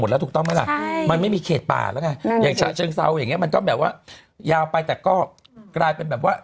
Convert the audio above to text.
มันก็ยาวไปก็จะมีป่ารอยต่อ